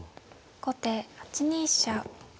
後手８二飛車。